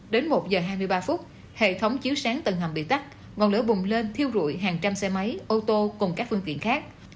đến một giờ hai mươi ba phút hệ thống chiếu sáng tầng hầm bị tắt ngọn lửa bùng lên thiêu rụi hàng trăm xe máy ô tô cùng các phương tiện khác